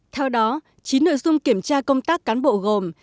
theo đó chín nội dung kiểm tra công tác cán bộ gồm